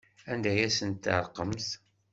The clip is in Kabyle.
Anda ay asent-terqamt?